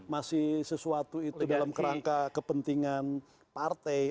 masih sesuatu itu dalam kerangka kepentingan partai